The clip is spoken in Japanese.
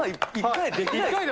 １回じゃできない。